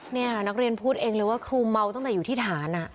นี่ค่ะนักเรียนพูดเองเลยว่าครูเมาตั้งแต่อยู่ที่ฐาน